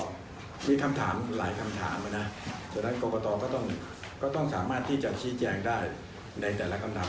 ผมคิดว่าก็มีข้อมีคำถามหลายคำถามนะจนกฎกตอก็ต้องสามารถที่จะชี้แจงได้ในแต่ละคำถาม